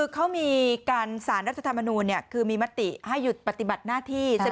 การสารรัฐธรรมนูนมีมติให้หยุดปฏิบัติหน้าที่